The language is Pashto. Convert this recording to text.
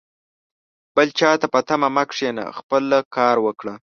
بل چاته په تمه مه کښېنه ، خپله کار وکړه